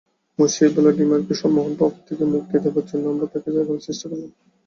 মঁশিয়ে ভ্যালডিমারকে সম্মোহন প্রভাব থেকে মুক্তি দেবার জন্যেই আমরা তাঁকে জাগাবার চেষ্টা করলাম।